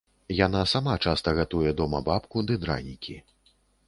Яна сама часта гатуе дома бабку ды дранікі.